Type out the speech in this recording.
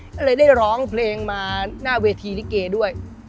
ก็เลยได้ร้องเพลงมาหน้าเวทีลิเกด้วย